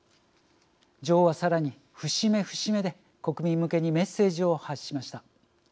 女王はさらに節目節目で国民向けにメッセージを発しました。